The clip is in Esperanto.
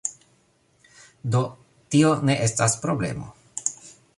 Do, tio ne estas problemo